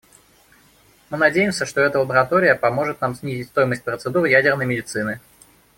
Мы надеемся, что эта лаборатория поможет нам снизить стоимость процедур ядерной медицины.